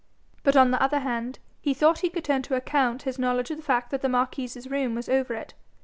But, on the other hand, he thought he could turn to account his knowledge of the fact that the marquis's room was over it.